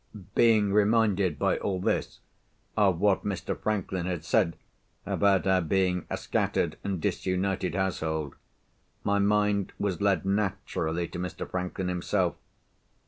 Being reminded, by all this, of what Mr. Franklin had said about our being a scattered and disunited household, my mind was led naturally to Mr. Franklin himself.